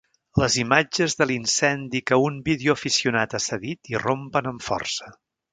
Les imatges de l'incendi que un videoaficionat ha cedit irrompen amb força.